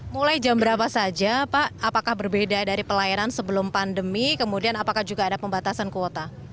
mulai jam berapa saja pak apakah berbeda dari pelayanan sebelum pandemi kemudian apakah juga ada pembatasan kuota